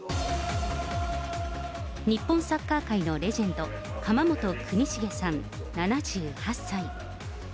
日本サッカー界のレジェンド、釜本邦茂さん７８歳。